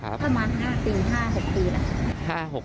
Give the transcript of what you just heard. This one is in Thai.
ประมาณ๕๖ปีแล้ว